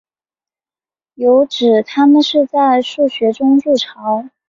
有指它们是在树穴中筑巢。